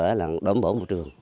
đã là đổ bổ môi trường